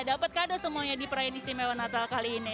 dapat kado semuanya di perayaan istimewa natal kali ini